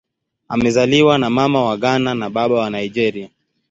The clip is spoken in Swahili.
Amezaliwa na Mama wa Ghana na Baba wa Nigeria.